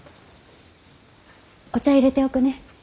お茶いれておくね。